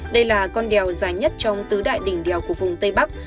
đây là con đèo dài nhất trong tứ đại đỉnh đèo của vùng tây bắc